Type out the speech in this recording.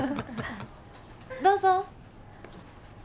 どうぞ。